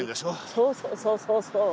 そうそうそうそう。